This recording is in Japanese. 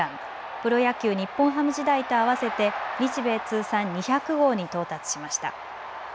プロ野球、日本ハム時代と合わせて日米通算２００号に到達しました。